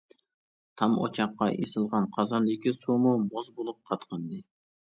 تام ئوچاققا ئېسىلغان قازاندىكى سۇمۇ مۇز بولۇپ قاتقانىدى.